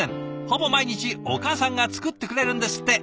ほぼ毎日お母さんが作ってくれるんですって。